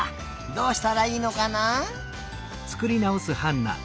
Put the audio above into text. どうしたらいいのかな？